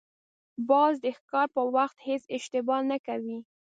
باز د ښکار په وخت هېڅ اشتباه نه کوي